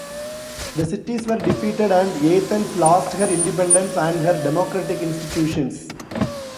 The cities were defeated and Athens lost her independence and her democratic institutions.